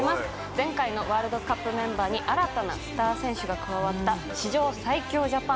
前回のワールドカップメンバーに新たなスター選手が加わった史上最強ジャパン。